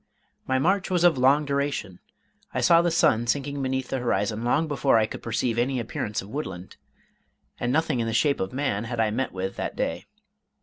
My march was of long duration; I saw the sun sinking beneath the horizon long before I could perceive any appearance of woodland, and nothing in the shape of man had I met with that day.